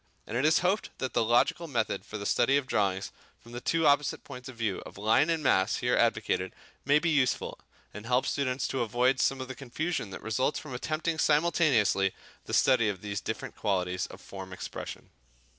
And it is hoped that the logical method for the study of drawing from the two opposite points of view of line and mass here advocated may be useful, and help students to avoid some of the confusion that results from attempting simultaneously the study of these different qualities of form expression.